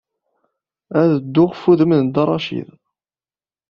Ad dduɣ ɣef wudem n Dda Racid.